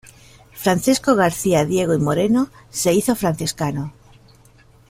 Francisco García Diego y Moreno se hizo franciscano.